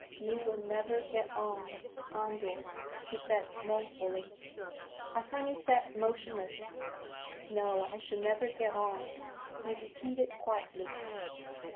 "You will never get on, Andor," she said mournfully. Harsanyi sat motionless. "No, I shall never get on," he repeated quietly.